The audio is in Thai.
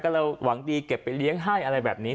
ก็เลยหวังดีเก็บไปเลี้ยงให้อะไรแบบนี้